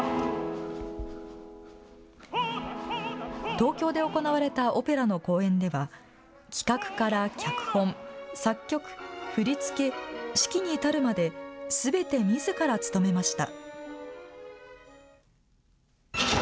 東京で行われたオペラの公演では企画から脚本、作曲、振り付け、指揮に至るまですべて、みずから務めました。